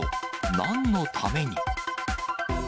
なんのために？